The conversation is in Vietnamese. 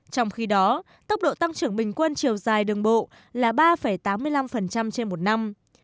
trong khi đó tốc độ tăng trưởng bình quân chiều dài đường bộ là ba tám mươi năm trên một năm